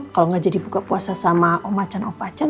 kalau nggak jadi buka puasa sama om macan opacan